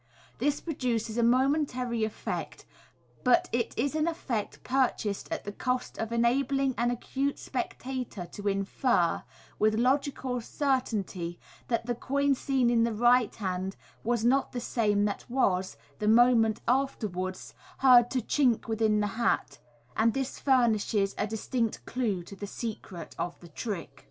This produces a momentary effect, but it is an effect purchased at the cost of enabling an acute spectator to infer, with logical certainty, that the coin seen in the right hand was not the same that was, the moment afterwards, heard to chink within the hat ; and this furnishes a dis tinct clue to the secret of the trick.